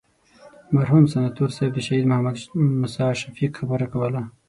مرحوم ستانور صاحب د شهید محمد موسی شفیق خبره کوله.